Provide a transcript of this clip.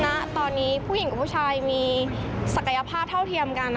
ณตอนนี้ผู้หญิงกับผู้ชายมีศักยภาพเท่าเทียมกัน